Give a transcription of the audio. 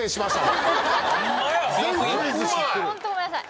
ホントごめんなさい。